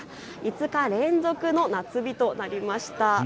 ５日連続の夏日となりました。